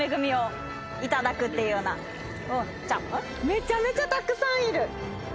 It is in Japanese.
めちゃめちゃたくさんいる。